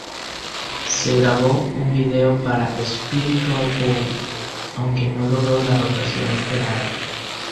Se grabó un vídeo para "Spiritual Void", aunque no logró la rotación esperada.